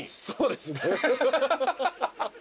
そうですね。